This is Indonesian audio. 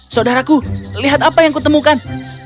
saudaraku lihat apa yang kutemukan